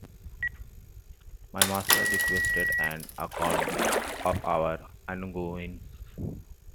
My master requested an account of our ongoings.